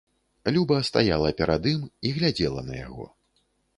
Люба стаяла перад ім і глядзела на яго.